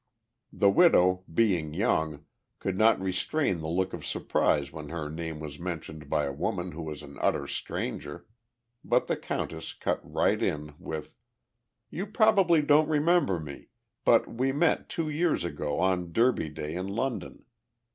The widow, being young, could not restrain the look of surprise when her name was mentioned by a woman who was an utter stranger, but the countess cut right in with: "You probably don't remember me, but we met two years ago on Derby Day in London.